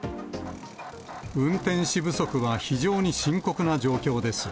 運転士不足は非常に深刻な状況です。